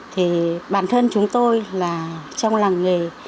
thì bản thân chúng tôi là trong làng nghề